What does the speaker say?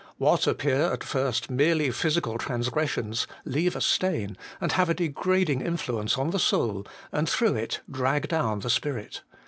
What appear at first merely physical transgressions leave a stain and have a degrading influence on the soul, and through it drag down the spirit.